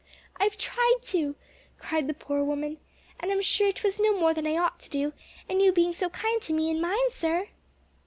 "I've tried to," cried the poor woman, "and I'm sure 'twas no more than I ought to do, and you being so kind to me and mine, sir."